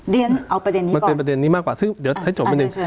เรียนเอาประเด็นนี้มาเตือนประเด็นนี้มากกว่าซึ่งเดี๋ยวให้จบไปหนึ่ง